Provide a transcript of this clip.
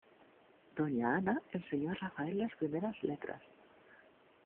Doña Ana enseñó a Rafael las primeras letras.